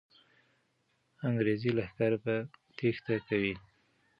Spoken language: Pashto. انګریزي لښکر به تېښته کوي.